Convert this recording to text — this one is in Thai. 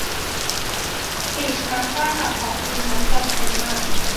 อีกทั้งถ้าหากของชิ้นนั้นจำเป็นมาก